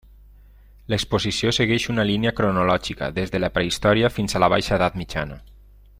L'exposició segueix una línia cronològica des de la prehistòria fins a la baixa edat mitjana.